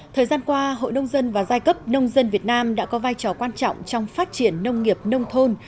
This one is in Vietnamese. thời gian qua hội nông dân và giai cấp nông dân việt nam đã có vai trò quan trọng trong phát triển nông nghiệp nông thôn